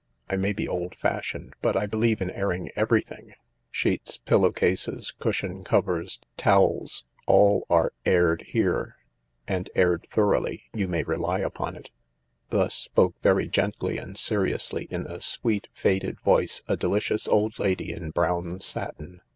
I may be old fashioned, but I believe in airing everything: sheets, pillow cases, cushion covers, towels — all are aired here, and aired thoroughly, you may rely upon it." Thus spoke very gently and seriously, in a sweet, faded voice, a delicious old lady in brown satin.